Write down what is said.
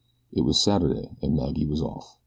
It was Saturday and Maggie was off.